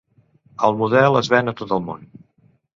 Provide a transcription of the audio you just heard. El model es ven a tot el món.